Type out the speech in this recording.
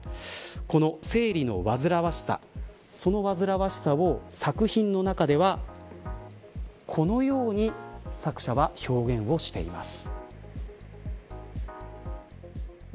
この生理の煩わしさその煩わしさを作品の中ではこのように作者は表現をしています。